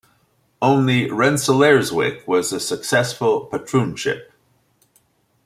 Only Rensselaerswyck was a successful patroonship.